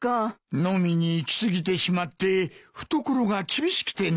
飲みに行き過ぎてしまって懐が厳しくてな。